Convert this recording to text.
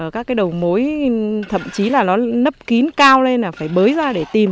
các cái đầu mối thậm chí là nó nấp kín cao lên là phải bới ra để tìm